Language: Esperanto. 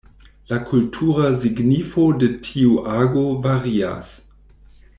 La kultura signifo de tiu ago varias.